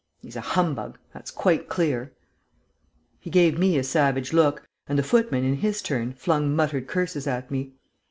He's a humbug, that's quite clear." He gave me a savage look, and the footman, in his turn, flung muttered curses at me.